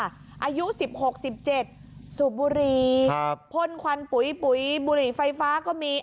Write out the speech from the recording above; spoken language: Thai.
อายุ๑๖๑๗สูบบุรีพ่นควันปุ๋ยปุ๋ยบุหรี่ไฟฟ้าก็มี